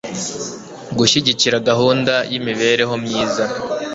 Gushyigikira gahunda y imibereho myiza